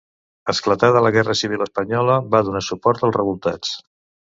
Esclatada la Guerra Civil espanyola, va donar suport als revoltats.